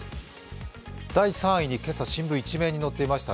第３位に今朝新聞１面に載っていました。